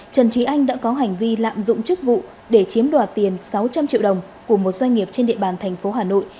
trần trí anh đã có hành vi lạm dụng chức vụ để chiếm đoạt tiền sáu trăm linh triệu đồng của một doanh nghiệp trên địa bàn thành phố hà nội